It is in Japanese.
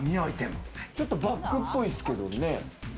ちょっとバッグっぽいけどね。